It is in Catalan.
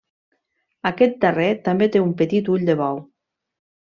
Aquest darrer també té un petit ull de bou.